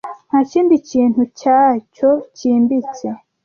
ntakindi kintu cyacyo cyimbitse